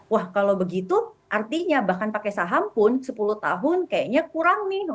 wah kalau begitu artinya bahkan pakai saham pun sepuluh tahun kayaknya kurang nih